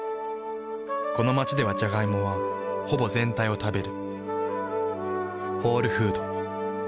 この街ではジャガイモはほぼ全体を食べる。